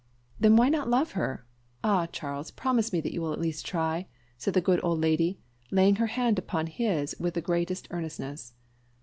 "Then why not love her? Ah! Charles, promise me that you will at least try!" said the good old lady, laying her hand upon his with the greatest earnestness.